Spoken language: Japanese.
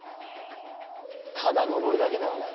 ただ登るだけではない。